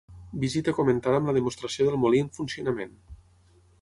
Visita comentada amb la demostració del molí en funcionament.